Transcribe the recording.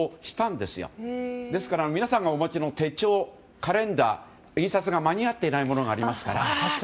ですから皆さんがお持ちの手帳、カレンダー印刷が間に合っていないものがありますから。